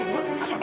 nggak mau ah